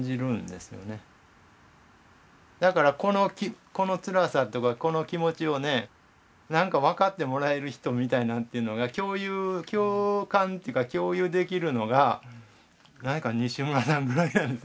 だからこのこのつらさとかこの気持ちをねなんか分かってもらえる人みたいなんていうのが共有共感というか共有できるのが西村さんぐらいなんですよ。